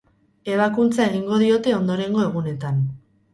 Ebakuntza egingo diote ondorengo egunetan.